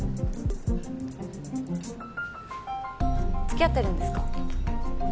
付き合ってるんですか？